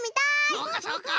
そうかそうか！